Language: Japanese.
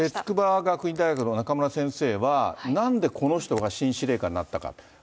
筑波学院大学の中村先生は、なんでこの人が新司令官になったかと。